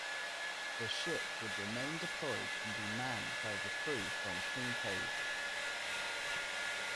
The ship would remain deployed and be manned by the crew from "Kinkaid".